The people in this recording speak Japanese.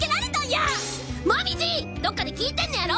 どっかで聞いてんのやろ！？